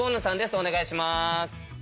お願いします。